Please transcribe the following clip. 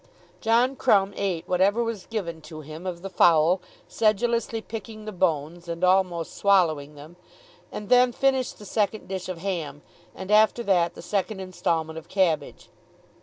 John Crumb ate whatever was given to him of the fowl, sedulously picking the bones, and almost swallowing them; and then finished the second dish of ham, and after that the second instalment of cabbage.